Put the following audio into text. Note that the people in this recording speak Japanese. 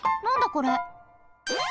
これ。